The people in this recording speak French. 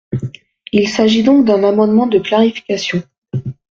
Il s’agit donc d’un amendement de clarification.